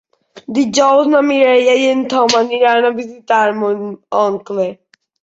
Dijous na Mireia i en Tom aniran a visitar mon oncle.